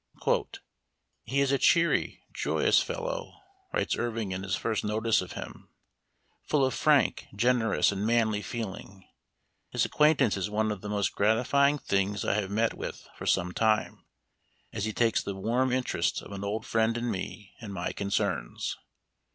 " He is a cheery, joyous fellow," writes Irving in his first notice of him, "full of frank, generous, and manly feeling. His acquaintance is one of the most gratifying things I have met with for some time, as he takes the warm interest of an old friend in me and my concerns."